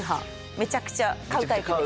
めちゃくちゃ買うタイプです。